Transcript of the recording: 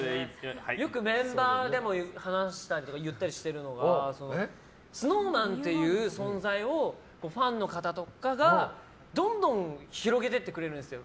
よくメンバーでも話したり言ったりしてるのがＳｎｏｗＭａｎという存在をファンの方とかが、どんどん広げていってくれるんですよ。